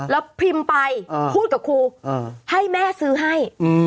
แล้วพิมพ์ไปพูดกับครูให้แม่ซื้อให้